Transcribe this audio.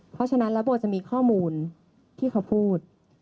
เพราะฉะนั้นแล้วโบจะมีข้อมูลที่เขาพูด